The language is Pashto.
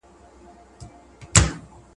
مهم پخپله ناسته ده.